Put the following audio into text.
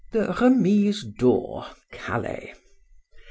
THE REMISE DOOR. CALAIS.